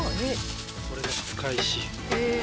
これが束石。